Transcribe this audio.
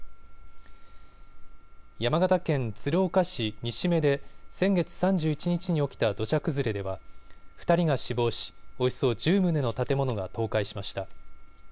山形県鶴岡市西目で先月３１日に起きた土砂崩れでは２人が死亡しおよそ１０棟の建物が倒壊しました。